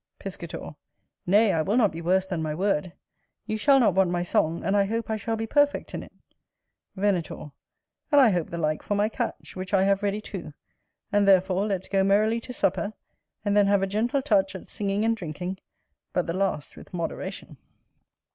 Piscator. Nay, I will not be worse than my word; you shall not want my song, and I hope I shall be perfect in it. Venator. And I hope the like for my catch, which I have ready too: and therefore let's go merrily to supper, and then have a gentle touch at singing and drinking; but the last with moderation.